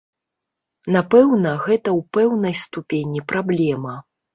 Напэўна, гэта ў пэўнай ступені праблема.